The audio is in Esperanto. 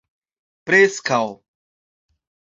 preskaŭ